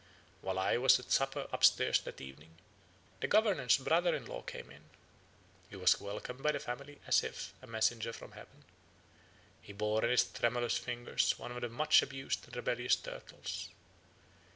While I was at supper upstairs that evening, the governor's brother in law came in. He was welcomed by the family as if a messenger from heaven. He bore in his tremulous fingers one of the much abused and rebellious turtles.